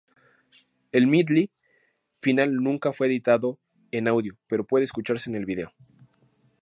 El "Medley" final nunca fue editado en audio pero puede escucharse en el video.